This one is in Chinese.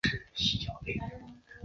松林园蛛为园蛛科园蛛属的动物。